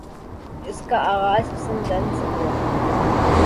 اس کا آغاز حسن ظن سے ہو گا۔